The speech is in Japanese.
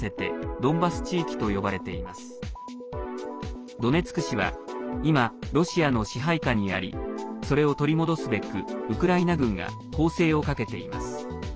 ドネツク市は今、ロシアの支配下にありそれを取り戻すべくウクライナ軍が攻勢をかけています。